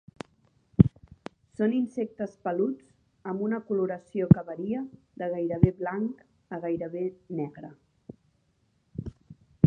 Són insectes peluts amb una coloració que varia de gairebé blanc a gairebé negre.